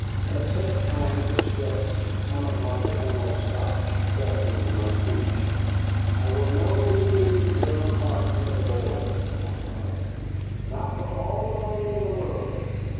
At such times of stress some of my paternal Scotch crept into my speech. "I will no be leaving Colonel Clark and the boys," I cried, "not for all the money in the world."